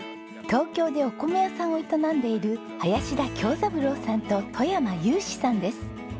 東京でお米屋さんを営んでいる林田恭三朗さんと外山雄士さんです。